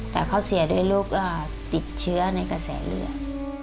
แต่เขาเสียด้วยลูกติดเชื้อในกระแสเลือด